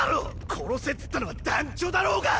殺せっつったのは団ちょだろうが！